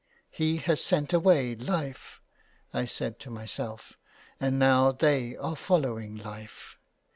*' He has sent away Life," I said to myself, " and now they are following Life.